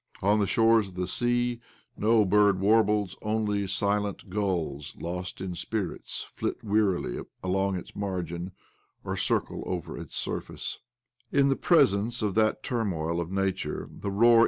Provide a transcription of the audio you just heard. On the shores of the sea no bird warbles ; only the silent gulls, like lost spirits, flit wearily along its margin, or 72 OBLOMOV 73 circle over its surface. In the presence of that turmoil of nature the roar.